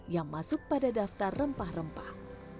yang masuk pada daftar rempah rempah